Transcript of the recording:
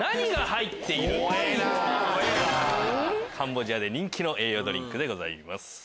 カンボジアで人気の栄養ドリンクでございます。